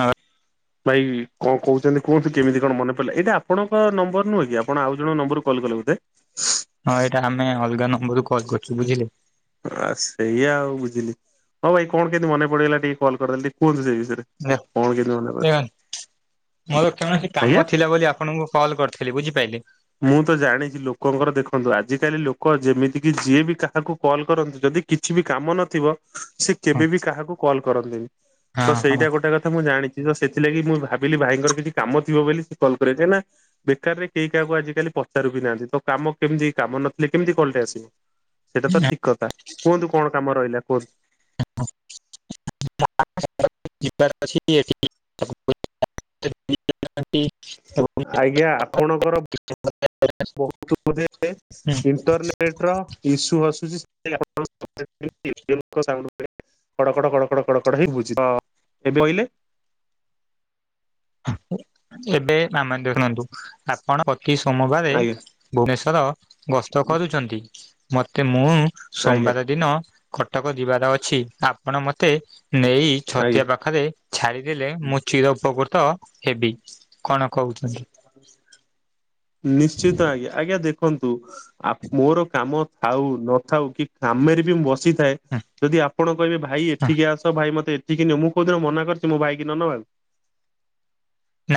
ହଁ। ଭାଇ କଣ କହୁଛନ୍ତି କୁହନ୍ତି କେମିତି କଣ ମନେ ପଡ଼ିଲା ଏଇଟା ଆପଣଙ୍କ ନମ୍ବର ନୁହେଁ କି ଆପଣ ଆଉ ଜଣ ନମ୍ବରରୁ କଲ୍ କଲେ ବୋଧେ? ହଁ ଏଇଟା ଆମେ ଅଲଗା ନମ୍ବରରୁୁ କଲ୍ କରିଚୁ ବୁଝିଲୁ। ଆ ସେଇଆ ଆଉ ବୁଝିଲି ହଉ ଭାଇ କଣ କେମିତି ମନେ ପଡି଼ଗଲା ଟିକେ କଲ୍ କରିଦେଲେ ଟିକେ କୁହନ୍ତୁ ସେଇ ବିଷୟରେ। ଦେଖ କଣ କେମିତି [unintelligible] ମନେ ପଡି ମୋର କୌଣସି ଆଜ୍ଞା କାମ ଥିଲା ବୋଲି ଆପଣଙ୍କୁ କଲ୍ କରିଥିଲି ବୁଝିପାଇଲେ। ମୁଁ ତ ଜାଣିଛି ଲୋକଙ୍କର ଦେଖନ୍ତୁ ଆଜିକାଲି ଲୋକ ଯେମିତି କି ଯିଏ ବି କାହାକୁ କଲ୍ କରନ୍ତୁ ଯଦି କିଛି ବି କାମ ନଥିବ ସେ କେବେ ବି କାହାକୁ କଲ୍ କରନ୍ତିନି ହଁ ତ ହଁ ସେଇଟା ଗୋଟେ ମୁଁ ଜାଣିଛି ତ ସେଥିଲାଗି ମୁଁ ଭାବିଲି ଭାଇଙ୍କ ର କିଛି କାମ ଥିବ ବୋଲି ସେ କଲ୍ କରେ କାହିଁ ନା ବେକାରରେ କେହି ଦେଖିବାକୁ ଆଜିକାଲି ପଚାରୁ ବି ନାହାନ୍ତି ତ କାମ କେମିତି କାମ ନଥିଲେ କେମିତି କଲ୍ ଟେ ଆସିବ। ଏଟା ତ ଠିକ୍ କଥା କୁହନ୍ତୁ କଣ କାମ ରହିଲା କୁହନ୍ତୁ। [inaudible] [unintelligible] ଆଜ୍ଞା ଆପଣଙ୍କର ବହୁତ୍ [unintelligible] ଇଣ୍ଟରନେଟ୍ [unintelligible] କଡ଼ କଡ଼ କଡ଼ କଡ଼ କଡ଼ ହେଇ [unintelligible] ଏବେ [unintelligible] ଶୁଣନ୍ତୁ ଆପଣ ପ୍ରତି ସୋମବାରେ ଆଜ୍ଞା ଭୁବନେଶ୍ଵର ଗସ୍ତ କରୁଛନ୍ତି ମତେ ମୁଁ ଆଜ୍ଞା ସୋମବାର ଦିନ କଟକ ଯିବାର ଅଛି ଆପଣ ମତେ ନେଇ ଆଜ୍ଞା ଛତିଆ ପାଖରେ ଛାଡ଼ିଦେଲେ ମୁଁ ଚିରପ୍ରକୃତ ହେବି କଣ କହୁଛନ୍ତି? ନିଶ୍ଚିତ ଆଜ୍ଞା ଆଜ୍ଞା ଦେ ଦେଖନ୍ତୁ ଆ ମୋର କାମ ଥାଉ ନଥାଉ କି କାମରେ ବି ମୁଁ ବସିଥାଏ। ଯଦି ଆପଣ କହିବେ ଭାଇ ଏଠିକି ଆସ ଭାଇ ମତେ ଏଠିକି ନିଅ ମୁଁ କୋଉଦିନ ମନା କରିଛି ମୋ ଭାଇ କୁ ନ ନବାକୁ।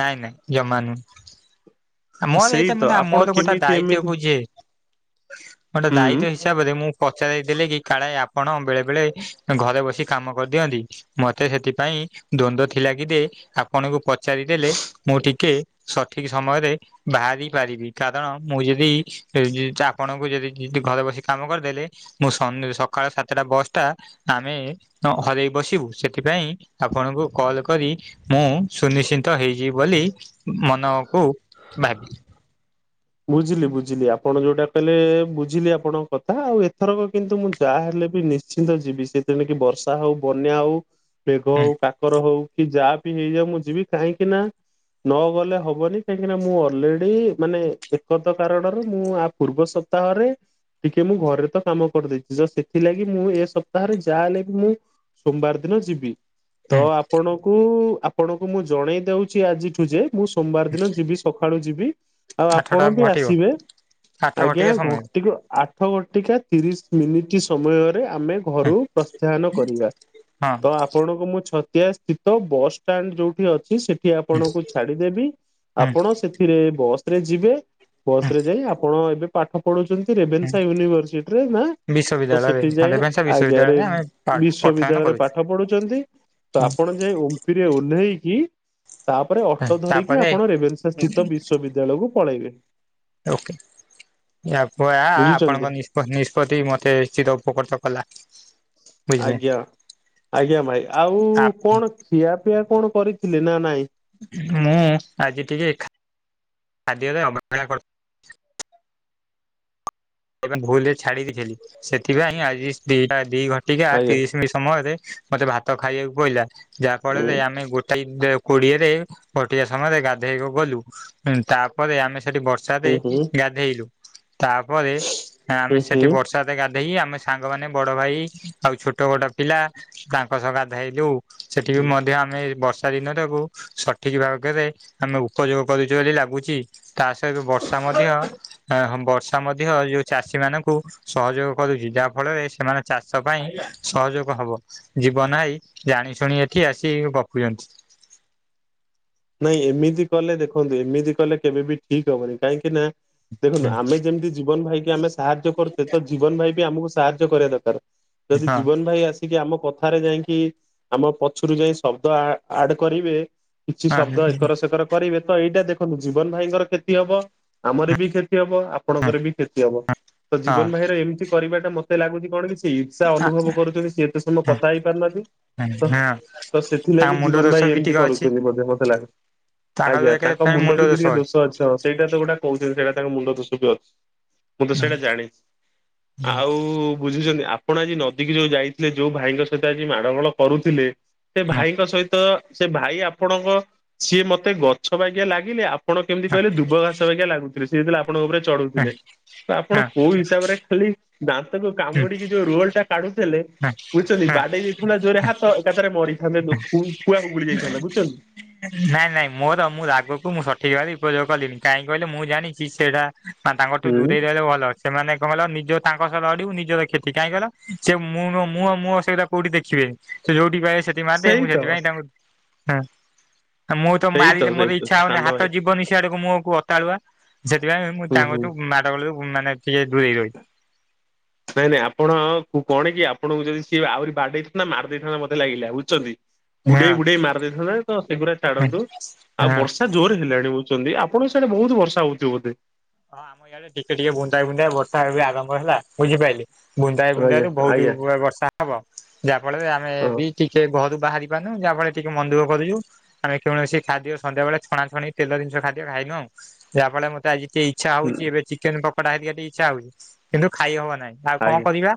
ନାଇଁ ନାଇଁ ଜମା ନୁହୁ। ମୋର ସେଇ ଏଇଟା ତ ମାନେ ଆପଣ ମୋର ଗୋଟେ କେମିତି ଦାୟିତ୍ଵ ଏମିତି [unintelligible] ଗୋଟେ ହୁଁ। ଦାୟିତ୍ଵ ତାପରେ ମୁଁ ପଚାରି ଦେଲେ କି କାଳେ ଆପଣ ବେଳେ ବେଳେ ଘରେ ବସି କାମ କରିଦିଅନ୍ତି। ମତେ ସେଥିପାଇଁ ଦ୍ଵନ୍ଦ୍ୱ ଥିଲା କି ଯେ ଆପଣଙ୍କୁ ପଚାରିଦେଲେ ମୁଁ ଟିକେ ସଠିକ୍ ସମୟରେ ବାହାରି ପାରିବି କାରଣ ମୁଁ ଯଦି [unintelligible] ଆପଣଙ୍କୁ ଯଦି ଘରେ ବସି କାମ କରିଦେଲେ ମୁଁ ସନ ସକାଳ ସାତଟା ବସ୍ ଟା ଆମେ ହରେଇ ବସିବୁ ସେଥିପାଇଁ ଆପଣଙ୍କୁ କଲ୍ କରି ମୁଁ ସୁନିଶ୍ଚିନ୍ତ ହେଇଯିବି ବୋଲି ମନକୁ ଭାବିଲି। ବୁଝିଲି ବୁଝିଲି ଆପଣ ଯୋଉଟା କହିଲେ ବୁଝିଲି ଆପଣଙ୍କ କଥା ଆଉ ଏଥରକ କିନ୍ତୁ ମୁଁ ଯାହାହେଲେ ବି ନି ନିଶ୍ଚିନ୍ତ ଯିବି ସେତେଣିକି ବର୍ଷା ହଉ, ବନ୍ୟା ହଉ, ମେଘ ହୁଁ ହଉ, କାକର ହଉ। କି ଯାହାବି ହେଇଯାଉ ମୁଁ ଯିବି କାହିଁକି ନା ନ ଗଲେ ହବନି କାହିଁକିନା ମୁଁ ଅଲରେଡି଼ ମାନେ ବିପଦ କାରଣରୁ ମୁଁ ଆ ପୂର୍ବ ସପ୍ତାହରେ ଟିକେ ମୁଁ ଘରେ ତ କାମ କରିଦେଇଚି ଜଷ୍ଟ୍ ସେଥିଲାଗି ମୁଁ ଏ ସପ୍ତାହରେ ଯାହା ହେଲେ ବି ମୁଁ ସୋମବାର ଦିନ ଯିବି ତ ହୁଁ ଆପଣଙ୍କୁ ଆପଣଙ୍କୁ ମୁଁ ଜଣେଇ ଦେଉଛି ଆଜିଠୁ ଯେ ମୁଁ ସୋମବାର ଦିନ ଯିବି ସକାଳୁ ଯିବି ଆଉ ଆପ ଆଠଟା ଆପଣ ବି ଘଟିବ ଆସିବେ ଆଠ ଆଜ୍ଞା ଘଟିକା ସମୟରେ। ଘଟିକ ଆ ଆଠ ଘଟିକା ତିରିଶି ମିନିଟ୍ ସମୟରେ ଆମେ ଘରୁ ପ୍ରସ୍ଥାୟନ କରିବା ହଁ ତ ଆ ଆପଣଙ୍କୁ ମୁଁ ଛତିଆ ସ୍ଥିତ ବସ୍ ଷ୍ଟାଣ୍ଡ୍ ଯୋଉଠି ଅଛି ସେ ସେଠି ଆପଣଙ୍କୁ ଛାଡ଼ିଦେବି ହୁଁ ଆପଣ ସେଥିରେ ବସ୍ ରେ ଯିବେ। ବସ୍ ହୁଁ ରେ ଯାଇ ଆପଣ ଏବେ ପାଠ ପଢୁ଼ଛନ୍ତି ହୁଁ ରେଭେନ୍ସା ୟୁନିଭରସିଟିରେ ନା? ତ ବିଶ୍ୱବିଦ୍ୟାଳୟରେ ସେଠି ହଁ ଯାଇ ରେଭେନ୍ସା ଆଜ୍ଞା ରେ ବିଶ୍ୱବିଦ୍ୟାଳୟରେ ଆମେ ପାଠୟନ ବିଶ୍ଵବିଦ୍ୟାଳୟରେ କରୁଛୁ। ପାଠ ପଢୁଚନ୍ତି। ତ ଆପଣ ଯେ ଓପି ରେ ଓହ୍ଲେଇକି ତାପରେ ଅଟୋ ଧରିକି ତାପରେ ଆପଣ ରେଭେନ୍ସା ସ୍ଥିତ ବିଶ୍ୱବି ବିଦ୍ୟାଳୟ କୁ ପଳେଇବେ। ଓକେ ଆପୁଆ ବୁଝୁଛନ୍ତି। ଆପଣଙ୍କ ନି ନିଷ୍ପତ୍ତି ମତେ ଚିରଉପକୃତ କଲା। ବୁଝିଲେ ଆଜ୍ଞା ଆଜ୍ଞା ଭାଇ ଆଉ କଣ ପିଆ ପିଆ କଣ କରିଥିଲେ ନା ନାଇଁ? ମୁଁ ଆଜି ଟିକେ ଖାଦ୍ୟରେ ଅବହେଳା କରି ଏ ଭୁଲରେ ଛାଡି ଦେଇଥିଲି ସେଥିପାଇଁ ଆଜି ଦିଟା ଦି ଘଟିକି ଆ ଆଜ୍ଞା ତିରିଶ ମିଶ ସମୟରେ ମତେ ଭାତ ଖାଇବାକୁ ପଇଲା ଯାହା ହୁଁ ଫଳରେ ଆମେ ଗୋ ଟାଇମ୍ ରେ କୋଡିଏରେ ଘଟିଆ ସମୟରେ ଗାଧୋଇବାକୁ ଗଲୁ ତାପରେ ଆମେ ସେଠି ବର୍ଷ ର୍ଷାରେ ହୁଁ ହୁଁ ଗାଧେଇଲୁ ତାପରେ ଆମେ ସେଠି ହୁଁ ବର୍ଷ ଗାଧେଇ ଆମେ ସାଙ୍ଗମାନେ ବଡ ଭାଇ ଆଉ ଛୋଟ ବଟ ପିଲା ତାଙ୍କ ସହ ଗାଧେଇଲୁ। ସେଠି ହୁଁ। ମଧ୍ୟ ଆମେ ବର୍ଷ ଦିନଟାକୁ ସଠିକ୍ ଭାବରେ ଆମେ ଉପଯୋଗ କରୁଛୁ ବୋଲି ଲାଗୁଛି। ତା ସହିତ ବର୍ଷା ମଧ୍ୟ ହମ୍ ବର୍ଷା ମଧ୍ୟ ଇୟେ ଚାଷୀ ମାନଙ୍କୁ ସହଯୋଗ କରୁଛି ଯାହା ଫଳରେ ସେମାନେ ଚାଷ ପାଇଁ ସହଯୋଗ ହବ। ଜୀବନ ଆଇ ଜାଣି ଶୁଣି ଏଠି ଆସିି ବପୁଚନ୍ତି। ନାଇଁ ଏମିତି କଲେ ଦେଖନ୍ତୁ ଏମିତି କଲେ କେବେ ବିି ଠିକ୍ ହବନି କାହିଁକି ନା ହଁ ଦେଖନ୍ତୁ ଆମେ ଯେମିତି ଜୀବନ ଭାଇକି ଆମେ ସାହାଯ୍ୟ କରୁଛେ ତ ଜୀବନ ଭାଇ ବି ଆମକୁ ସାହାଯ୍ୟ କରିବା ଦରକାର୍। ଯଦି ହଁ। ଜୀବନ ଭାଇ ଆସ୍ କି ଆମ କଥାରେ ଯାଇକି ଆମ ପଛରୁ ଯାଇ ଶବ୍ଦ ଆ ଆଡ କରିବେ କିଛି ଶବ୍ଦ ହଁ ଏକର ସେକର କରିବେ ତ ଏଇଟା ଦେଖନ୍ତୁ ଜୀବନ ଭାଇଙ୍କର କ୍ଷତି ହବ ଆମର ବି କ୍ଷତି ହବ ଆ ଆପଣଙ୍କର ବି କ୍ଷତି ହବ ତ ଜୀବନ ଭାଇର ଏମିତି କରିବାଟା ମତେ ଲାଗୁଛି କଣ କି ଇର୍ଷା ଅନୁଭବ କରୁଛନ୍ତି ସି ଏତେ ସମୟ କଥା ହେଇ ପାରୁନାହାଁନ୍ତି ତ ହଁ ତ ତାଙ୍କ ସେଥିଲାଗି ମୁଣ୍ଡ ଜୀବନ ଦୋଷ ଭାଇ ବି ଏମିତି ଟିକେ ଅଛି କରୁଛନ୍ତି ବ ମତେଲାଗେ ତାଙ୍କର ଆଜ୍ଞା ତାଙ୍କ ଏକରେ ମୁଣ୍ଡ କିନ୍ତୁ ଅଛି। ଦୋଷ ଅ ଆଚ୍ଛା ସେଇଟା ତ ଗୋଟେ କହୁଛନ୍ତି ସେଇଟା ତାଙ୍କ ମୁଣ୍ଡ ଦୋଷ ବି ଅଛି ମୁଁ ତ ସେଇଟା ଜାଣିଛି। ଆଉ ବୁଝୁଛନ୍ତି ଆପଣ ଆଜି ନଦୀକୁ ଯୋଉ ଯାଇଥିଲେ ଯୋଉ ଭାଇଙ୍କ ସହିତ ଆଜି ମାଡଗୋଳ କରୁଥିଲେ ସେ ଭାଇଙ୍କ ସହିତ ସେ ଭାଇ ଆପଣଙ୍କ ସିଏ ମତେ ଗଛ ବାଗିଆ ଲାଗିଲେ ଆ ପଣ କେମିତି କହିଲେ ଦୁବଘାସ ଲାଗୁଥିଲେ ସେ ଜେତେଲେ ଆ ଆପଣଙ୍କ ଉପରେ ଚଢୁଥିଲେ ତ ଆପଣ କୋଉ ହିସାବରେ ଖାଲି ଦାନ୍ତକୁ କାମୁଡିକି ଯୋଉ ରୋଲ ଟା କାଢୁଥିଲେ। ବୁଝିଛନ୍ତି ବାଡେଇ ଦେଇଥାନ୍ତା ଜୋରେ ହାତ ଏକାଥରେ ମରିଥାନ୍ତେ କୁଆକୁ ଗୁଳି ଯାଇଥାନ୍ତତା ବୁଝୁଛନ୍ତି। ନାଇଁ ନାଇଁ ମୋର ମୁଁ ରାଗକୁ ମୁଁ ସଠିକ ଭି ଉପଯୋଗ କଲିଣିି କାହିଁକି କହିଲେ ମୁଁ ଜାଣିଛି ସେଇଟା ମା ତାଙ୍କଠୁ ହୁଁ ଦୂରେଇ ଦେଲେ ଭଲ ସେମାନେ କଣ କହିଲ ନିଜ ତାଙ୍କ ସହ ଲଢିବୁ ନିଜର କ୍ଷତି କାହିଁକି କିହିଲ ସେ ମୁଁ ମୁଁ ମୁଅ ସେଆଡ଼େ କୁଆଡେ ଦେଖିବେ ସେ ଯଉଠି ପାଇବେ ସେଠି ମାଦେ ସେଇ ମୁଁ ତ ସେଥିପାଇଁ ତାଙ୍କୁ ହୁଁ। ମୁଁ ତ ସେଇ ମାରିଲି ମୋର ସେଇ ତ ଇଚ୍ଛା ସେ ହଉନି ସାନ ଭାଇ ହାତ ଯିବନି ସିଆଡକୁ ମୁଁ ଅକାଳୁଆ ସେଥିପାଇଁ ମୁଁ ହୁଁ ହୁଁ। ଚାଙ୍ଗୁଛୁ ମାଡ ଗୋଳୁ ମାନେ ଟିକେ ଦୂରେଇ ରହୁଛି। ନାଇଁ ନାଇଁ ଆପଣ କଣ କି ଆପଣଙ୍କୁ ଯଦି ସିଏ ଆହୁରି ବାଡ଼େଇଥାନ୍ତା ମାରି ଦେଇଥାନ୍ତା ମୋତେ ଲାଗିଲା ବୁଝୁଛନ୍ତି। ବୁଡେଇ ବୁଡେଇ ମାରି ଦେଇଥାନ୍ତା ତ ସେଗୁଡା ହଁ ଛାଡନ୍ତୁ ଆଉ ହଁ। ବର୍ଷା ଜୋର ହେଲାଣି ବୁଝୁଚନ୍ତି ଆପଣଙ୍କୁ ସେଇଟା ବହୁତ ବର୍ଷା ହେଉଥିବ ବୋଧେ। ହଁ ଆମ ୟାଡେ ଟିକେ ଟିକେ ବୁନ୍ଦାଏ ବୁନ୍ଦାଏ ବର୍ଷା ଏବେ ଆରମ୍ଭ ହେଲା ବୁଝିପାଇଲେ। ବୁନ୍ଦାଏ ବୁନ୍ଦାଏ ଆଜ୍ଞା ରୁ ବହୁତ ଆଜ୍ଞା ବର୍ଷା ହବ ଯାହା ଫଳରେ ଆମେ ହଁ ବି ଟିକେ ଘରୁ ବାହାରି ପାରୁନୁ ଯାହା ଫଳରେ ଟିକେ ମନଦୁଃଖ କରୁଛୁ। ଆମେ କୌଣସି ଖାଦ୍ୟ ସନ୍ଧ୍ୟାବେଳେ ଛଣାଛଣି ତେଳ ଜିନିଷ୍ ଖାଦ୍ୟ ଖାଇନୁ ଆଉ ଯାହା ଫଳରେ ମତେ ଆଜି ଇଚ୍ଛା ହୁଁ ହଉଛି ଏବେ ଚିକେନ୍ ପକୋଡା ହେରିକା ଟିକେ ଇଚ୍ଛା ହଉଛି କିନ୍ତୁ ଖାଇ ହବ ନାହିଁ। ଆଉ କଣ ଆଜ୍ଞା କରିବା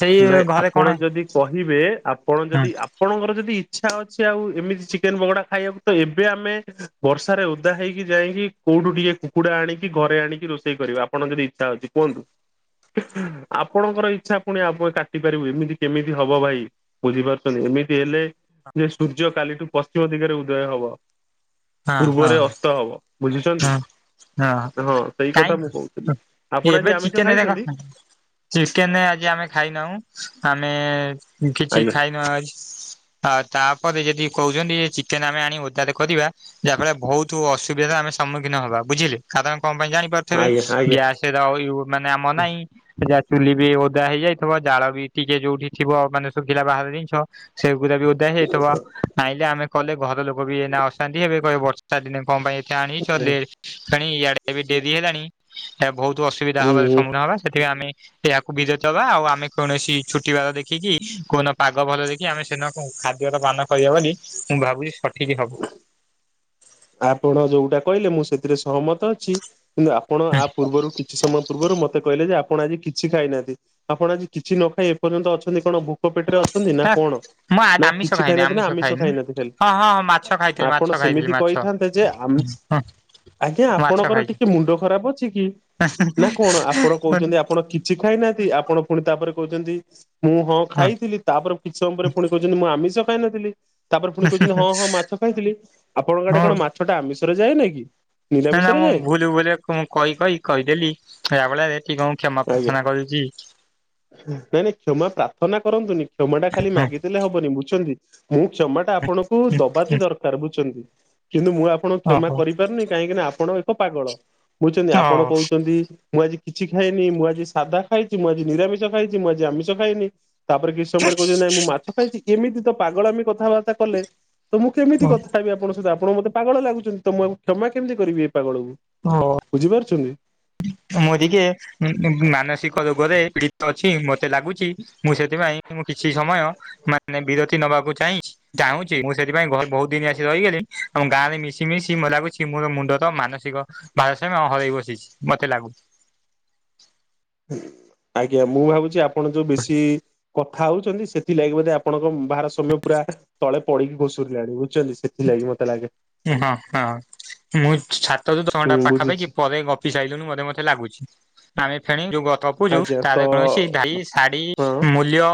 ସେଇ ନାଇଁ ଘରେ କଣ ଆପଣ ଯଦି କହିବେ ଆପଣ ହଁ ଯଦି ଆ ଆପଣଙ୍କର ଯଦି ଇଚ୍ଛା ଅଛି ଆଉ ଏମିତି ଚିକେନ୍ ପକୋଡା ଖାଇବାକୁ ତ ଏବେ ଆମେ ବର୍ଷାରେ ଓଦା ହେଇକି ଯାଇକି କୋଉଠୁ ଟିକେ କୁକୁଡା ଆଣିକି ଘରେ ଆଣିକି ରୋଷେଇ କରିବେ ଆପଣ ଯଦି ଇ ଛା ଅଛି କୁହନ୍ତୁ। [unintelligible] ଆପଣଙ୍କର ଇଚ୍ଛା ଫୁଣି ଆପଣ କାଟି ପାରିବୁ ଏମିତି କେମିତି ହବ ଭାଇ ବୁଝିପାରୁଚନ୍ତି ଏମିତି ହେଲେ ଯେ ସୂର୍ଯ୍ୟ କାଲିଠୁ ପଶ୍ଚିମ ଦିଗରେ ଉଦୟ ହବ। ହଁ ପୂର୍ବରେ ହଁ ଅସ୍ଥ ହବ। ବୁଝୁଛନ୍ତି ହଁ ସେଇ କାଇଁ କଥା ମୁଁ କୋହୁଥିଲି। ଆପଣ ଏବେ ଆଜି ଆମିଷ ଚିକେନ ହେରିକା ଖାଇଚନ୍ତି? ଚିକେନ ଆଜି ଆମେ ଖାଇନାହୁଁ ଆମେ କିଛି ଆଜ୍ଞା ଖାଇନୁ ଆ ଜ ଆଉ ତାପରେ ଯଦି କୋହୁଚନ୍ତି ଚିକେନ୍ ଆମେ ଆଣି ଓଦାରେ କରିବା। ଯାହା ଫଳରେ ବୋହୁତ ଅସୁବିଧା ଆମେ ସମ୍ମୁଖୀନ ହବା ବୁଝିଲେ କାରଣ କଣ ପାଇଁ ଜାଣିପାରୁଥିବେ ଆଜ୍ଞା ଆଜ୍ଞା ଗ୍ୟାସେ [unintelligible] ମାନେ ଆମର ନାହିଁ। ଯା ଚୁଲି ବି ଓଦା ହେଇଯାଇଥିବ ଜାଳବି ଟିକେ ଯୋଉଠି ଥିବ ମାନେ ଶୁଖିଲା ବାହାରେ ଜିନିଷ ସେଗୁଡା ବି ଓଦା ହେଇଯାଇଥିବ ଆଇଁଲେ ଆମେ କଲେ ଘର ଲୋକ ବି ଏଇଁନା ଅଶାନ୍ତି ହେବେ କହିବେ ବ ର୍ଷା ଦିନେ କଣ ପାଇଁ ଏତେ ଆଣିଚ ଉଁ ଲେ ଫେଣି ଇଆଡେ କହିବେ ଡେରି ହେଲାଣି ହେ ବୋହୁ ତ ଅସୁବିଧା ହବା ଉଁ ସମ୍ମଖୀନ ହେବା ସେଥିପାଇଁ ଆମେ ଏହାକୁ ଭିଜେଇଦବା ଆଉ ଆମେ କୌଣସି ଛୁଟି ବାର ଦେଖିକି କୋଉ ଦିନ ପାଗ ଭଲ ଦେଖି କି ଆମେ ସେଦିନ ଖାଦ୍ୟର ପାନ କରିବା ବୋଲି ମୁଁ ଭାବୁଚି ସଠିକ୍ ହବ। ଆପଣ ଯୋଉଟା କହିଲେ ମୁଁ ସେଥିରେ ସହମତ ଅଛି। କିନ୍ତୁ ଆପଣ ଆ ପୂର୍ବରୁ କିଛି ସମୟ ପୂର୍ବରୁ ମତେ କହିଲେ ଯେ ଆପଣ ଆଜି କି କିଛି ଖାଇନାହାନ୍ତି ଆପଣ ଆଜି କିଛି ନଖାଇ ଏପର୍ଯ୍ୟନ୍ତ ଅଛନ୍ତି। କଣ ଭୋକ ପେଟରେ ଅଛନ୍ତି ନା ହେ କଣ? ମୁଁ ନା ଆମିଷ କିଛି ଖାଇନି ଖାଇନାହାନ୍ତି ନା ଆମିଷ ଖାଇନି। ଖାଇନାହାନ୍ତି ଖାଲି ହଁ ହଁ ହଁ ମାଛ ଖାଇଥିଲି ଆପଣ ମାଛ ଖାଇଥିଲି ସେମିତି ମାଛ କହିଥାନ୍ତେ ଯେ ଆମି ହଁ ଆଜ୍ଞା ମାଛ ଆପଣଙ୍କର ଖାଇଛି। ଟିକେ ମୁଣ୍ଡ ଖରାପ ଅଛି କି ନା କଣ ଆପଣ କୋହୁଚନ୍ତି ଆପଣ କିଛି ଖାଇନାହାନ୍ତି ଆପଣ ପୁଣି ତାପରେ କୋହୁଚନ୍ତି ମୁଁ ହଁ ଖାଇଥିଲି ତାପରେ କିଛି ସମୟ ପରେ ଫୁଣି କୋହୁଚନ୍ତି ମୁଁ ଆମିଷ ଖାଇନଥିଲି। ତାପରେ ପୁଣି କୋହୁଚନ୍ତି ହଁ ହଁ ମାଛ ଖାଇଥିଲି। ଆପଣଙ୍କ ଆଡେ ହଁ କଣ ମାଛଟା ଆମିଷରେ ଯାଏ ନାଇଁ କି? ନାଁ ନାଁ ନିରାମିଷରେ ମୁଁ ଯାଏ ଭୁଲ ଭୁଲରେ ମୁଁ କହି କହି କହିଦେଲି ଏହା ଫଳରେ କିଏ କଣ କ୍ଷମା ଆଜ୍ଞା। ପ୍ରାର୍ଥନା କରିଚି। ନାଇଁ ନାଇଁ କ୍ଷମା ପ୍ରାର୍ଥନା କରନ୍ତୁନି କ୍ଷମା ଟା ଖାଲି ମାଗିଦେଲେ ହବନି ବୁଝୁଛନ୍ତି। ମୁଁ କ୍ଷମା ଟା ଆପଣଙ୍କୁ ଦବା ବି ଦରକାର ବୁଝୁଚନ୍ତି କିନ୍ତୁ ମୁଁ ଆପଣ କ୍ଷମା ଓହୋ କରିପାରୁନି। କାହିଁକି ନା ଆପଣ ଏକ ପାଗଳ ବୁଝଚନ୍ତି ଆପଣ କହୁଚନ୍ତି ମୁଁ ଆଜି କିଛି ଖାଇନି ମୁଁ ଆଜି ସାଧା ଖାଇଚି। ମୁଁ ଆଜି ନିରାମିଷ ଖାଇଚି। ମୁଁ ଆଜି ଆମିଷ ଖାଇନି। ତାପରେ କିଛି ସମୟରେ କୋହୁଚନ୍ତି ନାଇଁ ମୁଁ ମାଛ ଖାଇଚି ଏମିତି ତ ପାଗଳାମି କଥାବାର୍ତ୍ତା କଲେ ତ ମୁଁ କେମିତି ଓ କଥା ହେବି ଆପଣଙ୍କ ସହିତ ଆପଣ ମତେ ପାଗଳ ଲାଗୁଚନ୍ତି ତ ମୁଁ ୟାଙ୍କୁ କ୍ଷମା କେମିତି କରିବି ଏଇ ପାଗଳକୁ ହଁ। ବୁଝି ପାରୁଚନ୍ତି। ମୁଁ ଟିକିଏ ଉଁ ଉଁ ମାନସିକ ରୋଗରେ ପୀଡିତ ଅଛି ମତେ ଲାଗୁଚି ମୁଁ ସେଥିପାଇଁ ମୁଁ କିଛି ସମୟ ମାନେ ବିରତି ନବାକୁ ଚାହିଁଚି। ଚାହୁଁଚି ମୁଁ ସେଥିପାଇଁ ଘରେ ବୋହୁତ ଦିନ ଆସି ରହିଗଲି ଆଉ ଗାଁରେ ମିଶି ମିିଶି ମତେ ଲାଗୁଚି ମୋର ମୁଣ୍ଡଟା ମାନସିକ ଭାରସାମ୍ୟ ହରେଇ ବସିଚି ମତେ ଲାଗୁଚି। ଆଜ୍ଞା ମୁଁ ଭାବୁଚି ଆପଣ ଯୋଉ ବେଶୀ କଥା ହୋଉଚନ୍ତି ସେଥିଲାଗି ବୋଧେ ଆପଣଙ୍କ ଭାରସାମ୍ୟ ପୁରା ତଳେ ପଡିକି ଘଷୁରିଲାଣି ବୁଝୁଚନ୍ତି। ଥିଲା କି ମତେ ଲାଗେ। ଉଁ ହଁ ହଁ ମୁଁ [unintelligible] ଘଣ୍ଟା ତଟା ହୁଁ ପାଖାପାଖି ବୁଝୁଛି ପରେ ଗ ପି ସାଇଲୁଣି ମତେ ମତେ ଲାଗୁଚି ଆମେ ଫେଣି ଯୋଉ ଗତ ପୁଚୁ ଆଜ୍ଞା ତାର ତ କୌଣସି ଭ୍ୟାଲି ଶାଢି ହଁ ମୂଲ୍ୟ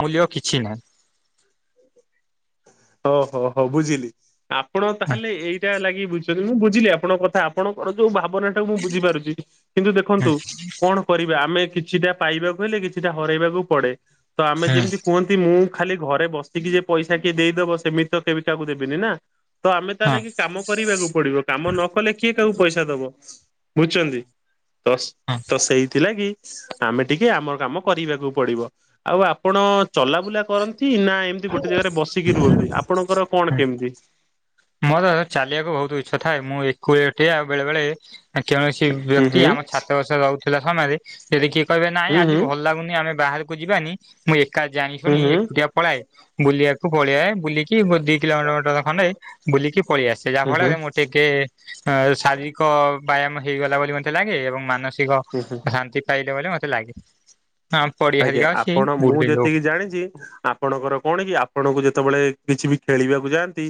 ମୂଲ୍ୟ କିଛି ନାହିଁ। ଓ ହୋ ହୋ ବୁଝିଲି ଆପଣ ତାହେଲେ ଏଇଟା ଲାଗି ବୁଝି ଯଦି ମୁଁ ବୁଝିଲି ଆପଣଙ୍କ କଥା ଆପଣଙ୍କର ଯୋଉ ଭାବନା ଟାକୁ ମୁଁ ବୁଝିପାରୁଚି କିନ୍ତୁ ହୁଁ ଦେଖନ୍ତୁ କଣ କରିବା ଆମେ କିଛିଟା ପାଇବାକୁ ହେଲେ କିଛିଟା ହରାଇବାକୁ ପଡେ ତ ଆମେ ହୁଁ ଯେମିତି କୁହନ୍ତି ମୁଁ ଖାଲି ଘରେ ବସିକି ଯେ ପଇସା କିଏ ଦେଇଦବ ସେମିତି ତ କେହି କାହାକୁ ଦେବିନି ନା। ତ ଆମେ ହଁ ତାଲାଗି କାମ କରିବାକୁ ପଡିବ କାମ ନ କଲେ କିଏ କାହାକୁ ପଇଷା ଦବ ବୁଝୁଚନ୍ତି। ତ ହଁ ହଁ। ତ ସେଇଥି ଲାଗି ଆମେ ଟିକେ ଆମର କାମ କରିବାକୁ ପଡିବ ଆଉ ଆପଣ ଚଲାବୁଲା କରନ୍ତି ନା ତି ଗୋଟେ ଜାଗାରେ ବସିକି ରୁହନ୍ତି ଆପଣଙ୍କର କଣ କେମିତି? ମୋର ଚାଲିବାକୁ ବହୁତ ଇଚ୍ଛା ଥାଏ ମୁଁ [unintelligible] ଆଉ ବେଳେ ବେଳେ କୌଣସି ହୁଁ ବ୍ୟକ୍ତି ହୁଁ ଆମ ଛାତ ବର୍ଷା ରହୁଥିଲା ସମୟରେ ଯଦି କିଏ କହିବେ ନାଇଁ ହୁଁ ଆଜି ଭଲ ହୁଁ ଲାଗୁନି ଆମେ ବାହାରକୁ ଯିବାନି, ମୁଁ ଏକା ଜାଣି ହୁଁ ଶୁଣି ହୁଁ ହୁଁ ଏକୁଟିଆ ପଳାଏ, ବୁଲିବାକୁ ପଳାଏ ବୁଲି ଦି କିଲୋମିଟର ମଟର ବୁଲିକି ପଳେଇ ଆସେ ଯାହା ଫଳ ହୁଁ ଶାରୀରିକ ବ୍ୟାୟାମ ହେଇଗଲା ବୋଲି ମତେ ଲାଗେ ଏବଂ ମାନସିକ ହୁଁ ହୁଁ। ଶାନ୍ତି ପାଇଲେ ବୋଲି ମୋତେ ଲାଗେ। ହଁ ପଡିଆ ଆଜ୍ଞା ହେରିକା ଅଛି ଆପଣ ମୁଁ ବୁଲି ଯାଉ ଯେତିକି ଜାଣିଛି ଆ ଆପଣଙ୍କର କଣ କି ଆପଣଙ୍କୁ ଯେତେବେଳେ କିଛି ବି ଖେଳିବାକୁ ଯାଆନ୍ତି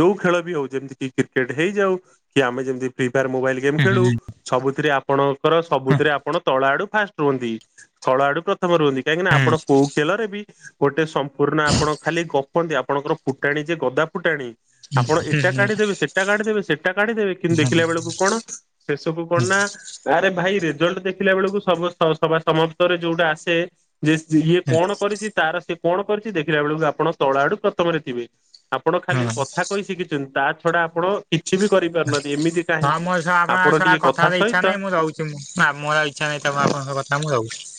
ଯୋଉ ଖେଳ ବି ହଉ ଯେମିତି କ୍ରିକେଟ୍ ହେଇଯାଉ କି ଆମେ ପ୍ରିପେୟାର ମୋବାଇଲ ଗେମ୍ ହୁଁ ଖେଳୁ ହୁଁ। ସବୁଥିରେ ଆପଣଙ୍କର ସବୁଥିରେ ଆପଣ ତଳ ଆଡୁ ଫାଷ୍ଟ ରୁହନ୍ତି ତଳ ଆଡୁ ରୁନ୍ତି କାହିଁକିନା ଆପଣ କୋଉଟେଲରେ ବି ଗୋଟେ ସମ୍ପୂର୍ଣ୍ଣ ଆପଣ ଖାଲି ଗପନ୍ତି ଆପଣଙ୍କର ଫୁଟାଣି ଯେ ଗଦା ଫୁଟାଣି। ଆପଣ ହୁଁ ଏଟା ହୁଁ କାଢିଦେବେ ସେଟା କାଢିଦବେ ସେଟା କାଢି ଦେବେ କିନ୍ତୁ ଦେଖା ହୁଁ ବେଳକୁ କଣ? ସେସବୁ କଣନା ଆରେ ଭାଇ ରେଜଲ୍ଟ ଦେଖିଲା ବେଳକୁ ସଭା ସମାପ୍ତରେ ଯୋଉଟା ଆସେ ଯେ ଇଏ ହୁଁ କଣ କରିଛି ତାର ସିଏ କଣ କରିଛି ଦେଖିଲା ବେଳକୁ ଆପଣ ତଳ ଆଡୁ ପ୍ରଥମରେ ଥିବେ। ଆପଣ ହୁଁ ଖାଲି ହୁଁ। କଥା କହି ଶିଖିଛନ୍ତି ତା ଛଡା ଆପଣ କିଛି ବି କରିପାରୁନାହାନ୍ତି। ଏମିତି ହଁ କାହିଁକି ମୋର ସହ ଆପଣଙ୍କ ଆପଣ ସହ ଟିକେ କଥା ହେବା ଇଚ୍ଛା ସହିତ ନାହିଁ ମୁଁ ମୋର ଆଉ ରହୁଛି ଇଚ୍ଛା ନାହିଁ ତ ମୁଁ ଆପଣଙ୍କ କଥା ମୁଁ ରହୁଛି।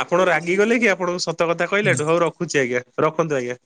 ଆପଣ ରାଗିଗଲେ କି ଆପଣଙ୍କୁ ସତ କଥା କହିଲାଠୁ ହଉ ରଖୁଛି ଆଜ୍ଞା ରଖନ୍ତୁ ଆଜ୍ଞା।